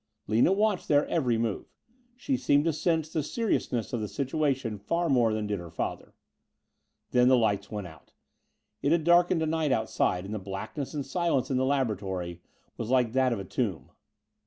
Lina watched their every move. She seemed to sense the seriousness of the situation far more than did her father. Then the lights went out. It had darkened to night outside and the blackness and silence in the laboratory was like that of a tomb.